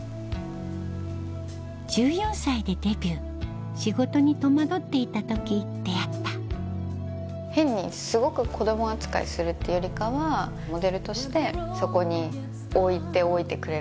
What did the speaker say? １４歳でデビュー仕事に戸惑っていた時出会った変にすごく子供扱いするっていうよりかはモデルとしてそこに置いておいてくれる。